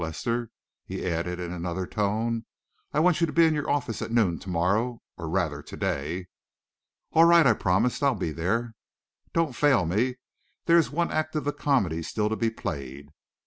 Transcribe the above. Lester," he added, in another tone, "I want you to be in your office at noon to morrow or rather, to day." "All right," I promised; "I'll be there." "Don't fail me. There is one act of the comedy still to be played."